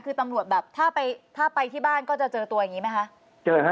คือตำรวจแบบถ้าไปที่บ้านก็จะเจอตัวอย่างนี้ไหมคะ